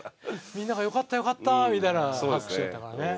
みんながよかったよかったみたいな拍手だったからね。